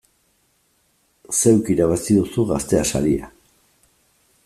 Zeuk irabazi duzu Gaztea saria!